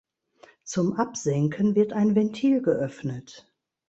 Zum Absenken wird ein Ventil geöffnet.